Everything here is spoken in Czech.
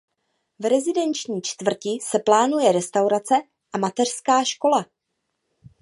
V rezidenční čtvrti se plánuje restaurace a mateřská škola.